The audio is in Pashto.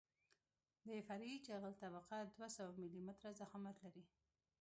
د فرعي جغل طبقه دوه سوه ملي متره ضخامت لري